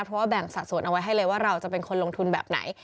เพราะว่าแบ่งสัดส่วนเอาไว้ให้เลยว่าเราจะเป็นคนลงทุนแบบไหน